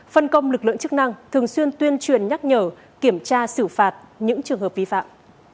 phân công lực lượng chức năng thường xuyên tuyên truyền nhắc nhở kiểm tra xử phạt những trường hợp vi phạm